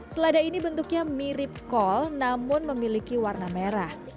selada ini bentuknya mirip kol namun memiliki warna merah